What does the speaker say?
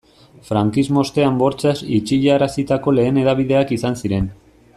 Frankismo ostean bortxaz itxiarazitako lehen hedabideak izan ziren.